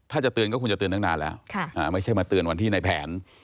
ถ้าจะเตือนก็คงจะเตือนตั้งนานแล้วไม่ใช่มาเตือนวันที่ในแผน